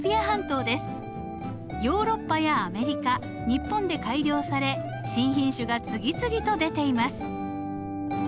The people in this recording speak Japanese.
ヨーロッパやアメリカ日本で改良され新品種が次々と出ています。